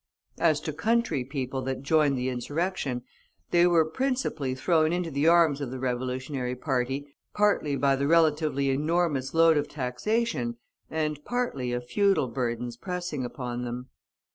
As to country people that joined the insurrection, they were principally thrown into the arms of the Revolutionary party, partly by the relatively enormous load of taxation, and partly of feudal burdens pressing upon them.